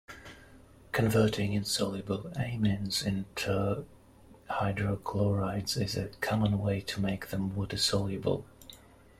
Converting insoluble amines into hydrochlorides is a common way to make them water-soluble.